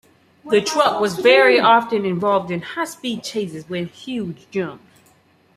The truck was very often involved in high-speed chases and huge jumps.